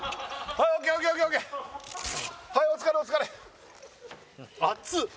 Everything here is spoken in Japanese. はいお疲れお疲れ熱っ！